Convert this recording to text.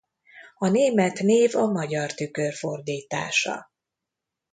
A német név a magyar tükörfordítása.